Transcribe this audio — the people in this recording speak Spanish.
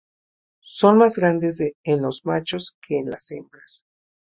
Son más grandes en los machos que en las hembras.